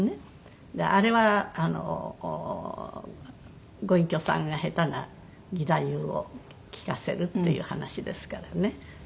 あれはあのご隠居さんが下手な義太夫を聴かせるっていう話ですからね。